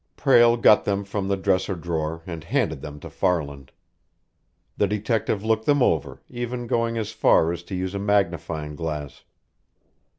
Prale got them from the dresser drawer and handed them to Farland. The detective looked them over, even going as far as to use a magnifying glass.